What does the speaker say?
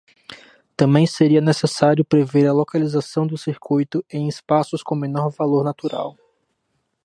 Também seria necessário prever a localização do circuito em espaços com menor valor natural.